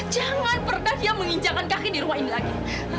jangan pernah dia menginjakan kaki di rumah ini lagi